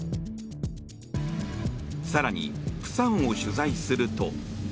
更に、釜山を取材すると。